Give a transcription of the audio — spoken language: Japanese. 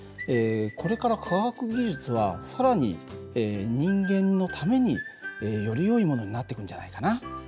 これから科学技術は更に人間のためによりよいものになっていくんじゃないかな。